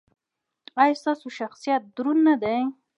ایا ستاسو شخصیت دروند نه دی؟